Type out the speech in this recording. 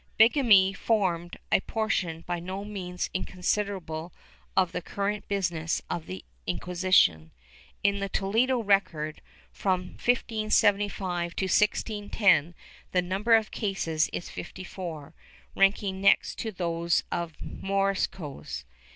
Bigamy formed a portion by no means inconsiderable of the current business of the Inquisition. In the Toledo record, from 1575 to 1610, the number of cases is fifty four, ranking next to those of Moriscos.